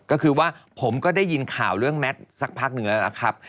ก็คือว่าผมก็ได้ยินข่าวเรื่องแมทสักพักหนึ่งแล้วนะครับ